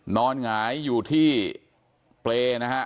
หงายอยู่ที่เปรย์นะฮะ